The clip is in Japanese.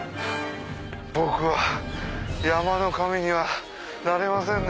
僕は山の神にはなれませんね。